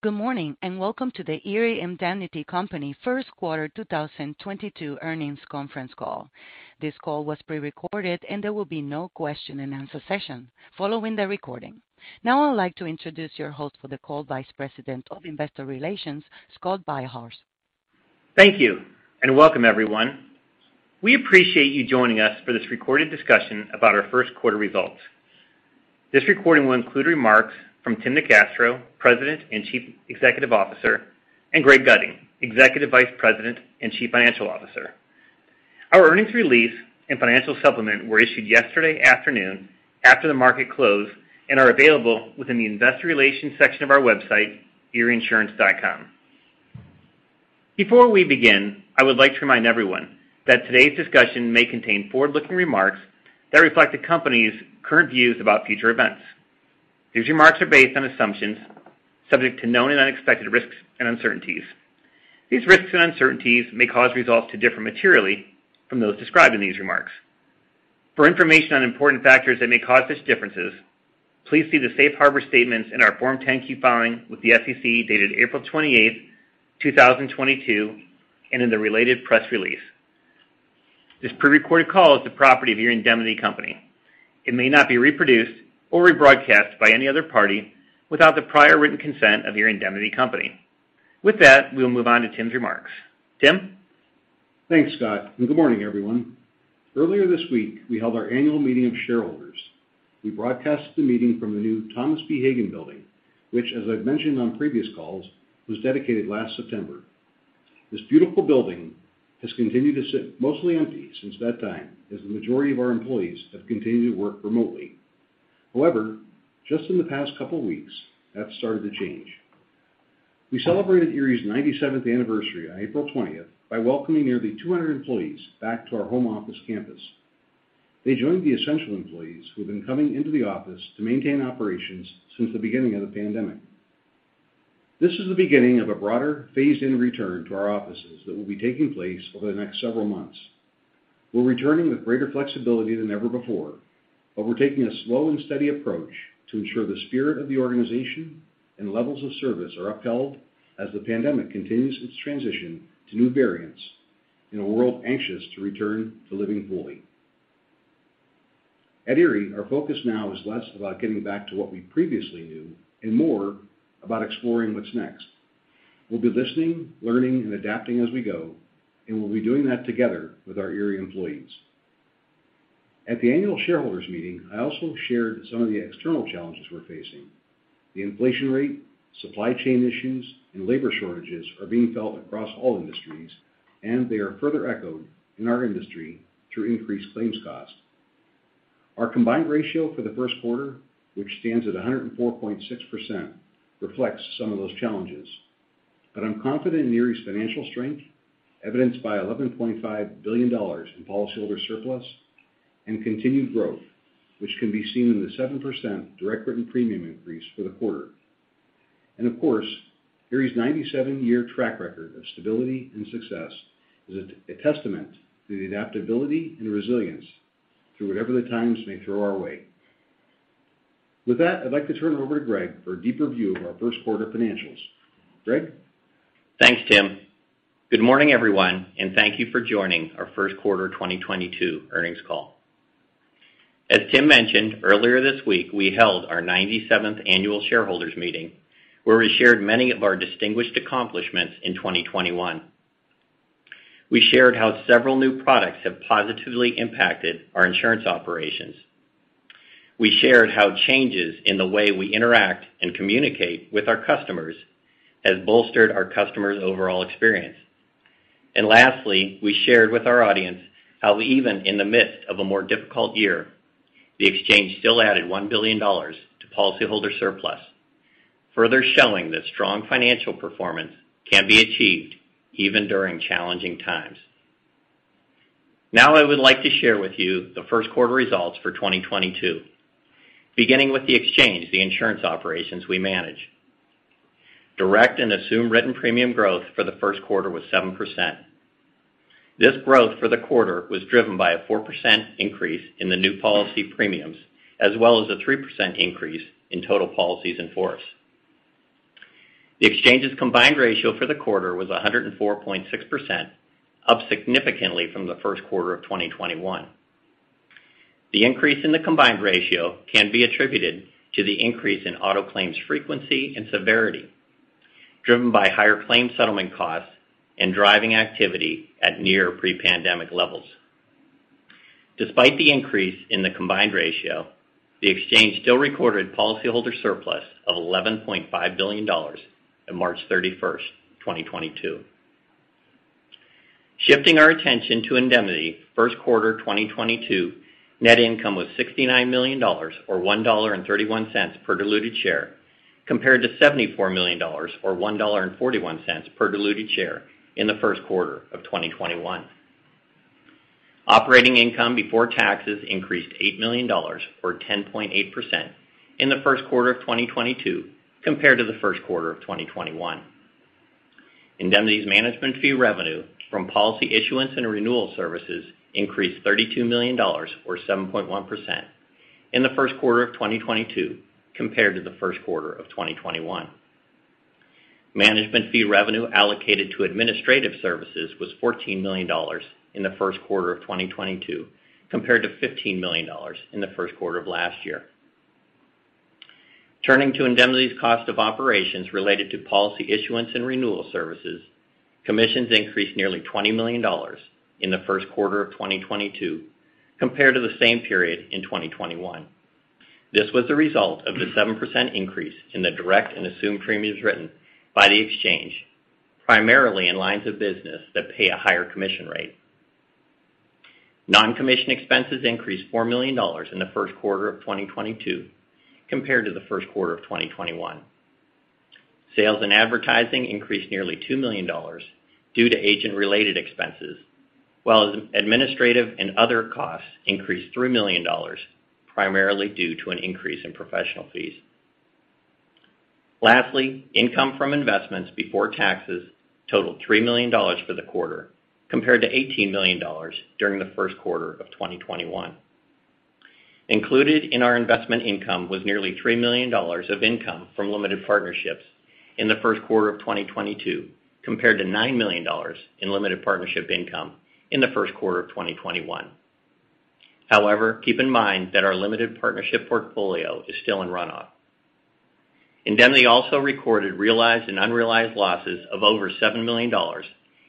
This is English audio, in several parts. Good morning, and welcome to the Erie Indemnity Company Q1 2022 Earnings Conference call. This call was prerecorded and there will be no question and answer session following the recording. Now I'd like to introduce your host for the call, Vice President of Investor Relations, Scott Beilharz. Thank you and welcome, everyone. We appreciate you joining us for this recorded discussion about our Q1 results. This recording will include remarks from Tim NeCastro, President and Chief Executive Officer, and Greg Gutting, Executive Vice President and Chief Financial Officer. Our earnings release and financial supplement were issued yesterday afternoon after the market closed, and are available within the investor relations section of our website, erieinsurance.com. Before we begin, I would like to remind everyone that today's discussion may contain forward-looking remarks that reflect the company's current views about future events. These remarks are based on assumptions subject to known and unexpected risks and uncertainties. These risks and uncertainties may cause results to differ materially from those described in these remarks. For information on important factors that may cause such differences, please see the safe harbor statements in our Form 10-K filing with the SEC, dated April 28, 2022, and in the related press release. This prerecorded call is the property of Erie Indemnity Company. It may not be reproduced or rebroadcast by any other party without the prior written consent of Erie Indemnity Company. With that, we'll move on to Tim's remarks. Tim? Thanks, Scott, and good morning, everyone. Earlier this week, we held our annual meeting of shareholders. We broadcast the meeting from the new Thomas B. Hagen Building, which, as I've mentioned on previous calls, was dedicated last September. This beautiful building has continued to sit mostly empty since that time, as the majority of our employees have continued to work remotely. However, just in the past couple weeks, that's started to change. We celebrated Erie's 97th anniversary on April 20 by welcoming nearly 200 employees back to our home office campus. They joined the essential employees who have been coming into the office to maintain operations since the beginning of the pandemic. This is the beginning of a broader phased-in return to our offices that will be taking place over the next several months. We're returning with greater flexibility than ever before, but we're taking a slow and steady approach to ensure the spirit of the organization and levels of service are upheld as the pandemic continues its transition to new variants in a world anxious to return to living fully. At Erie, our focus now is less about getting back to what we previously knew and more about exploring what's next. We'll be listening, learning, and adapting as we go, and we'll be doing that together with our Erie employees. At the annual shareholders meeting, I also shared some of the external challenges we're facing. The inflation rate, supply chain issues, and labor shortages are being felt across all industries, and they are further echoed in our industry through increased claims costs. Our combined ratio for the Q1, which stands at 104.6%, reflects some of those challenges. I'm confident in Erie's financial strength, evidenced by $11.5 billion in policyholder surplus and continued growth, which can be seen in the 7% direct written premium increase for the quarter. Of course, Erie's 97-year track record of stability and success is a testament to the adaptability and resilience through whatever the times may throw our way. With that, I'd like to turn it over to Greg for a deeper view of our Q1 financials. Greg? Thanks, Tim. Good morning, everyone, and thank you for joining our Q1 2022 earnings call. As Tim mentioned, earlier this week, we held our 97th annual shareholders meeting, where we shared many of our distinguished accomplishments in 2021. We shared how several new products have positively impacted our insurance operations. We shared how changes in the way we interact and communicate with our customers has bolstered our customers' overall experience. Lastly, we shared with our audience how even in the midst of a more difficult year, the exchange still added $1 billion to policyholder surplus, further showing that strong financial performance can be achieved even during challenging times. Now I would like to share with you the Q1 results for 2022, beginning with the exchange, the insurance operations we manage. Direct and assumed written premium growth for the Q1 was 7%. This growth for the quarter was driven by a 4% increase in the new policy premiums, as well as a 3% increase in total policies in force. The exchange's combined ratio for the quarter was 104.6%, up significantly from the Q1 of 2021. The increase in the combined ratio can be attributed to the increase in auto claims frequency and severity, driven by higher claims settlement costs and driving activity at near pre-pandemic levels. Despite the increase in the combined ratio, the exchange still recorded policyholder surplus of $11.5 billion in March 31, 2022. Shifting our attention to Indemnity, Q1 2022 net income was $69 million or $1.31 per diluted share, compared to $74 million or $1.41 per diluted share in the Q1 of 2021. Operating income before taxes increased $8 million or 10.8% in the Q1 of 2022 compared to the Q1 of 2021. Indemnity's management fee revenue from policy issuance and renewal services increased $32 million, or 7.1% in the Q1 of 2022 compared to the Q1 of 2021. Management fee revenue allocated to administrative services was $14 million in the Q1 of 2022 compared to $15 million in the Q1 of last year. Turning to Indemnity's cost of operations related to policy issuance and renewal services, commissions increased nearly $20 million in the Q1 of 2022 compared to the same period in 2021. This was the result of the 7% increase in the direct and assumed premiums written by the exchange, primarily in lines of business that pay a higher commission rate. Non-commission expenses increased $4 million in the Q1 of 2022 compared to the Q1 of 2021. Sales and advertising increased nearly $2 million due to agent-related expenses, while administrative and other costs increased $3 million, primarily due to an increase in professional fees. Lastly, income from investments before taxes totaled $3 million for the quarter, compared to $18 million during the Q1 of 2021. Included in our investment income was nearly $3 million of income from limited partnerships in the Q1 of 2022, compared to $9 million in limited partnership income in the Q1 of 2021. However, keep in mind that our limited partnership portfolio is still in runoff. Indemnity also recorded realized and unrealized losses of over $7 million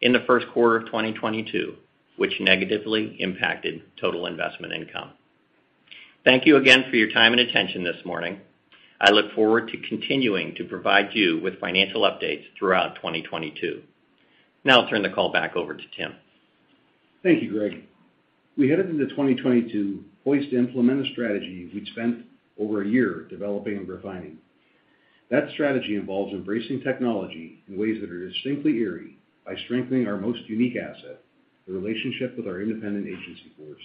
in the Q1 of 2022, which negatively impacted total investment income. Thank you again for your time and attention this morning. I look forward to continuing to provide you with financial updates throughout 2022. Now I'll turn the call back over to Tim. Thank you, Greg. We headed into 2022 poised to implement a strategy we'd spent over a year developing and refining. That strategy involves embracing technology in ways that are distinctly ERIE by strengthening our most unique asset, the relationship with our independent agency force.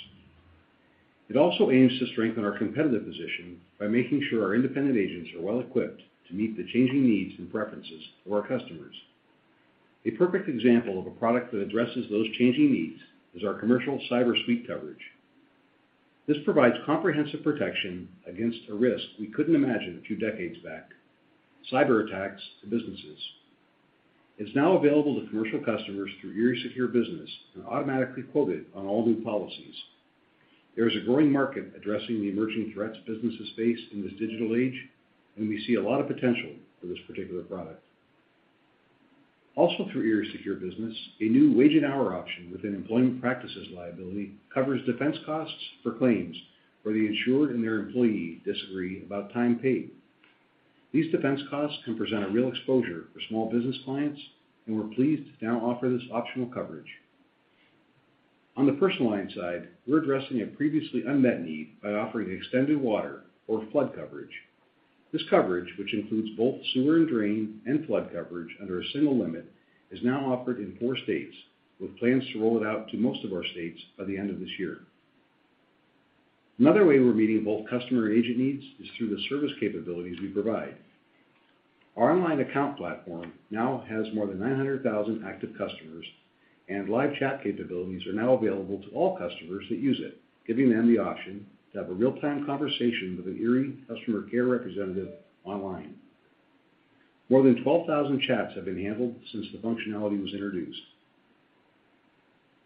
It also aims to strengthen our competitive position by making sure our independent agents are well-equipped to meet the changing needs and preferences of our customers. A perfect example of a product that addresses those changing needs is our commercial cyber suite coverage. This provides comprehensive protection against a risk we couldn't imagine a few decades back, cyberattacks to businesses. It's now available to commercial customers through ERIE Secure Business and automatically quoted on all new policies. There is a growing market addressing the emerging threats businesses face in this digital age, and we see a lot of potential for this particular product. Also through ERIE Secure Business, a new wage and hour option within employment practices liability covers defense costs for claims where the insured and their employee disagree about time paid. These defense costs can present a real exposure for small business clients, and we're pleased to now offer this optional coverage. On the personal line side, we're addressing a previously unmet need by offering extended water or flood coverage. This coverage, which includes both sewer and drain and flood coverage under a single limit, is now offered in four states, with plans to roll it out to most of our states by the end of this year. Another way we're meeting both customer and agent needs is through the service capabilities we provide. Our online account platform now has more than 900,000 active customers, and live chat capabilities are now available to all customers that use it, giving them the option to have a real-time conversation with an ERIE customer care representative online. More than 12,000 chats have been handled since the functionality was introduced.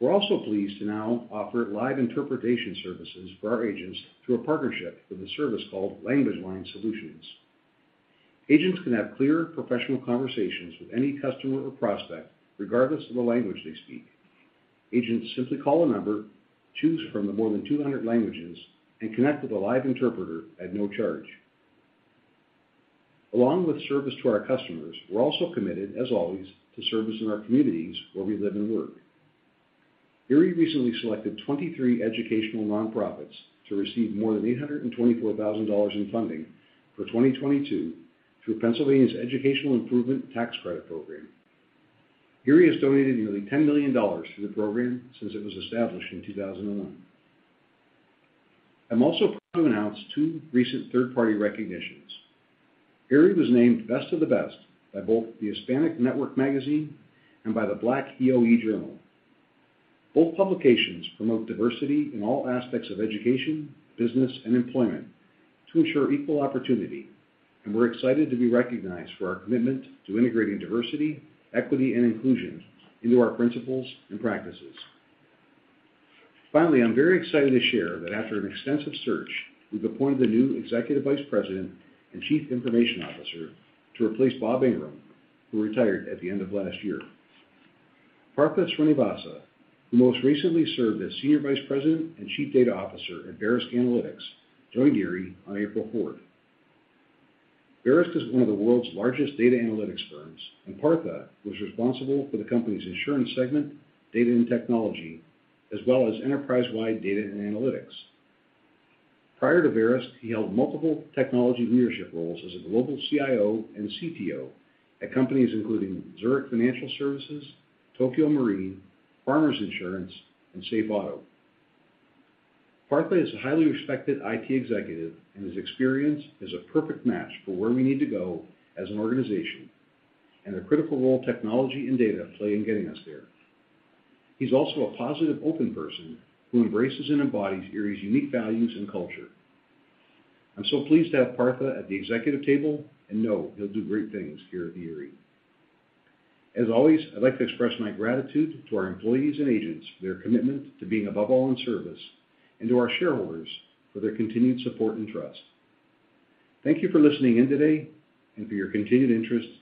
We're also pleased to now offer live interpretation services for our agents through a partnership with a service called LanguageLine Solutions. Agents can have clear, professional conversations with any customer or prospect, regardless of the language they speak. Agents simply call a number, choose from the more than 200 languages, and connect with a live interpreter at no charge. Along with service to our customers, we're also committed, as always, to service in our communities where we live and work. ERIE recently selected 23 educational nonprofits to receive more than $824,000 in funding for 2022 through Pennsylvania's Educational Improvement Tax Credit Program. ERIE has donated nearly $10 million to the program since it was established in 2001. I'm also proud to announce two recent third-party recognitions. ERIE was named Best of the Best by both the HISPANIC Network Magazine and by the Black EOE Journal. Both publications promote diversity in all aspects of education, business, and employment to ensure equal opportunity, and we're excited to be recognized for our commitment to integrating diversity, equity, and inclusion into our principles and practices. Finally, I'm very excited to share that after an extensive search, we've appointed a new executive vice president and chief information officer to replace Bob Ingram, who retired at the end of last year. Partha Srinivasa, who most recently served as senior vice president and chief data officer at Verisk Analytics, joined ERIE on April fourth. Verisk is one of the world's largest data analytics firms, and Partha was responsible for the company's insurance segment, data and technology, as well as enterprise-wide data and analytics. Prior to Verisk, he held multiple technology leadership roles as a global CIO and CTO at companies including Zurich Financial Services, Tokio Marine, Farmers Insurance, and SafeAuto. Partha is a highly respected IT executive, and his experience is a perfect match for where we need to go as an organization, and the critical role technology and data play in getting us there. He's also a positive, open person who embraces and embodies ERIE's unique values and culture. I'm so pleased to have Partha at the executive table and know he'll do great things here at ERIE. As always, I'd like to express my gratitude to our employees and agents for their commitment to being above all in service, and to our shareholders for their continued support and trust. Thank you for listening in today and for your continued interest in.